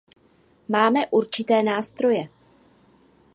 Máme určité nástroje.